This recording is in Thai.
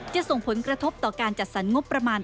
จะส่งผลกระทบต่อการจัดสรรงบประมาณ